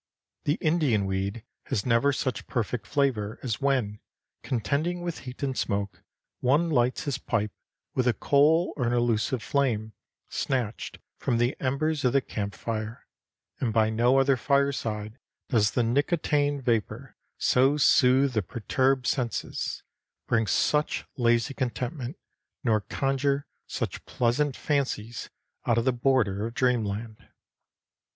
The Indian weed has never such perfect flavor as when, contending with heat and smoke, one lights his pipe with a coal or an elusive flame, snatched from the embers of the camp fire, and by no other fireside does the nicotian vapor so soothe the perturbed senses, bring such lazy contentment, nor conjure such pleasant fancies out of the border of dreamland.